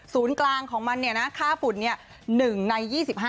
ศูนย์กลางของมันเนี่ยนะค่าฝุ่นเนี่ย๑ใน๒๕